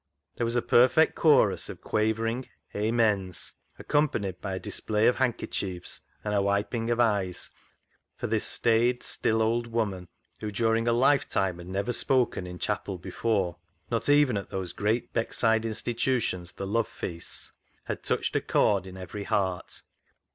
There was a perfect chorus of quavering " Amens," accompanied by a display of hand kerchiefs and a wiping of eyes, for this staid, still old woman, who during a lifetime had never spoken in chapel before, — not even at those great Beckside institutions, the Love feasts, — had touched a chord in every heart.